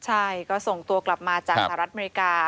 ใช่ก็ส่งตัวกลับมาจากสหรัฐอเมริกา